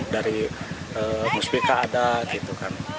dari musbika ada gitu kan